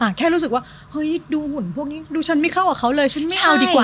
แค่รู้สึกว่าเฮ้ยดูหุ่นพวกนี้ดูฉันไม่เข้ากับเขาเลยฉันไม่เอาดีกว่า